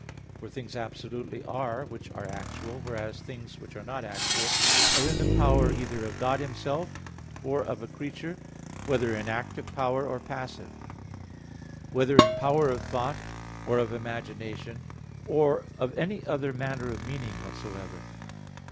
For things absolutely are which are actual; whereas things which are not actual, are in the power either of God Himself or of a creature, whether in active power, or passive; whether in power of thought or of imagination, or of any other manner of meaning whatsoever.